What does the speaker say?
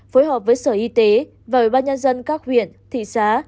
phối hợp với sở y tế và ủy ban nhân dân các huyện thị xã